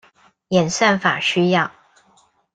演算法需要